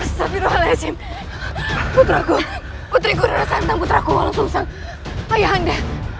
astaghfirullahaladzim putraku putriku rana santang putraku walang sungsang ayah anda